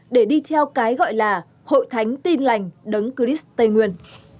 để đi theo cái gọi là hội thánh tin lành đấng christ tây nguyên